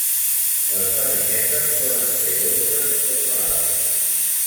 Les farinetes poden ser dolces o salades.